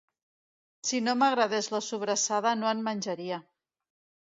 Si no m'agrades la sobrassada no en menjaría